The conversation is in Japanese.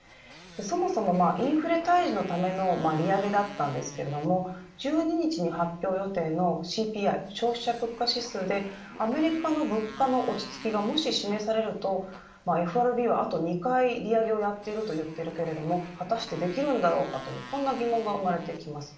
そもそもインフレ退治のための利上げだったんですけど１２日に発表予定のＣＰＩ消費者物価指数でアメリカの物価の落ち着きがもし、示されるとＦＲＢはあと２回利上げをやっていると言っているけれども果たしてできるんだろうかという疑問が生まれてきます。